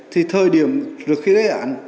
thì thời điểm được gây án